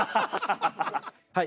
はい。